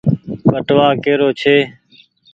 ٻٽوآ ڪيرو ڇي۔